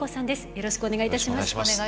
よろしくお願いします。